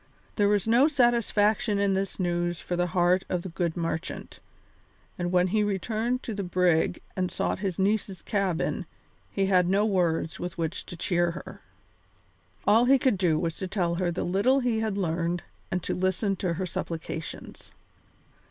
There was no satisfaction in this news for the heart of the good merchant, and when he returned to the brig and sought his niece's cabin he had no words with which to cheer her. All he could do was to tell her the little he had learned and to listen to her supplications.